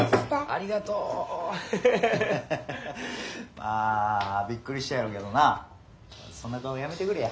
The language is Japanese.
まあびっくりしたやろうけどなそんな顔やめてくれや。